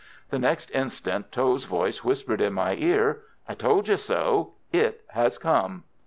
The next instant Tho's voice whispered in my ear: "I told you so; it has come."